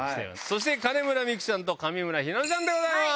そして金村美玖ちゃんと上村ひなのちゃんでございます。